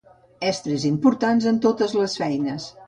Estris importants en totes les feines.